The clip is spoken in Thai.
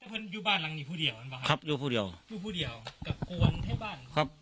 คุณอยู่บ้านหลังนี้ผู้เดี่ยวมั้ยครับ